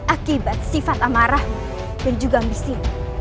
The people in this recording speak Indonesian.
akibat sifat amarahmu dan juga ambisimu